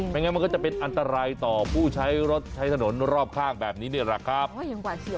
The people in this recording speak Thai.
มันก็จะเป็นอันตรายต่อผู้ใช้สนุนรอบข้างแบบนี้เนี่ย